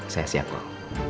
saya siap pak